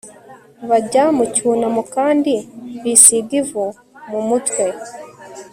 bajya mu cyunamo kandi bisiga ivu mu mutwe